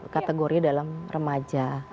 kategorinya dalam remaja